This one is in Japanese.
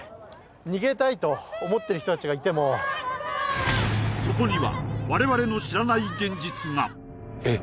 逃げたいと思ってる人達がいてもそこにはえっ！？